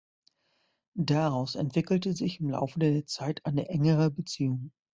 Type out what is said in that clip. Daraus entwickelte sich im Laufe der Zeit eine engere Beziehung.